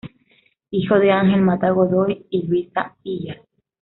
Hijo de Ángel Mata Godoy y Luisa Illas.